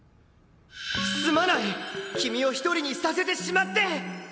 すまない君を一人にさせてしまって！